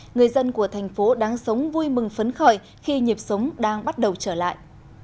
người dân của thành phố đáng sống vui mừng phấn khởi khi nhịp sống đang bắt đầu trở lại